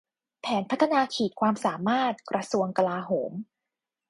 แผนพัฒนาขีดความสามารถกระทรวงกลาโหม